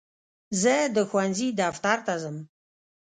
زه د ښوونځي دفتر ته ځم.